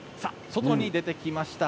外に出てきました。